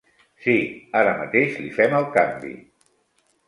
Sí, ara mateix li fem el canvi.